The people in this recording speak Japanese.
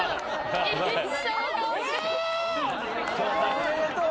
おめでとう。